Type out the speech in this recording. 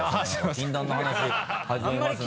「禁断の話始めます」なんて。